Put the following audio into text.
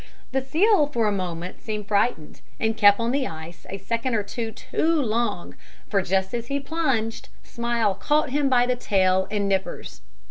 The seal for a moment seemed frightened, and kept on the ice a second or two too long; for just as he plunged, Smile caught him by the tail and nippers.